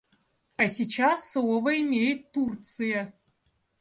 А сейчас слово имеет Турция.